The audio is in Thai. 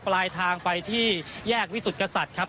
ปลายทางไปที่แยกวิสุทธิกษัตริย์ครับ